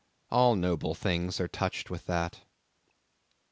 All noble things are touched with that.